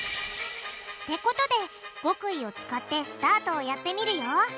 ってことで極意を使ってスタートをやってみるよ！